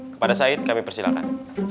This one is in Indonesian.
kepada said persilahkan